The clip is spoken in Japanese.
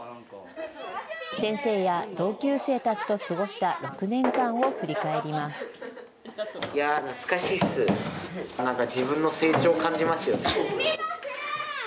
先生や同級生たちと過ごした６年間を振り返ります。